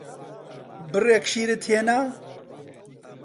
بڕێک شیرت هێنا؟